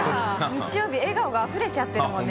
日曜日笑顔があふれちゃってるもんね。